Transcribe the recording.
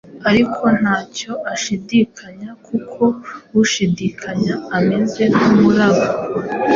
ari nta cyo ashidikanya, kuko ushidikanya ameze nk’umuraba